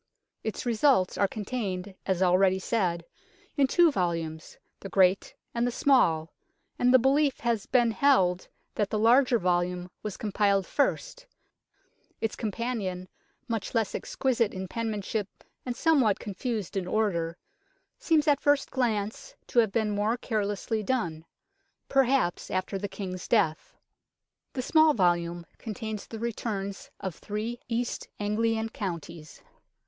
Its results are con tained, as already said, in two volumes, the great and the small, and the belief has been held that the larger volume was compiled first ; its com panion, much less exquisite in penmanship and somewhat confused in order, seems at first glance to have been more carelessly done perhaps after 76 UNKNOWN LONDON the King's death. The small volume contains the returns of three East Anglian counties.